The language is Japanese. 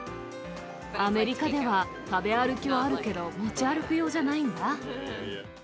アメリカでは食べ歩きはあるけど、持ち歩く用じゃないんだ。